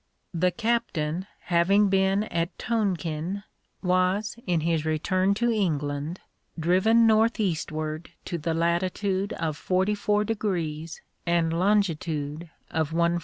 The captain having been at Tonquin, was, in his return to England, driven northeastward to the latitude of 44 degrees and longitude of 143.